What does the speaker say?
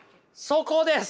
そこです！